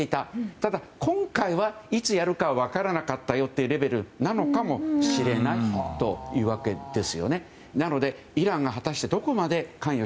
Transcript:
ただ、今回はいつやるか分からなかったというレベルなのかもしれない今夜は生放送でお送りしています。